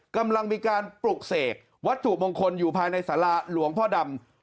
กำลังมีการปลุกเสกวัตถุมงคลอยู่ภายในสาราหลวงพ่อดำ